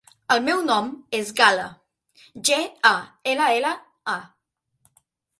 El meu nom és Gal·la: ge, a, ela, ela, a.